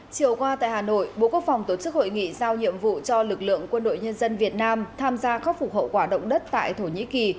chiều qua tại hà nội bộ quốc phòng tổ chức hội nghị giao nhiệm vụ cho lực lượng quân đội nhân dân việt nam tham gia khắc phục hậu quả động đất tại thổ nhĩ kỳ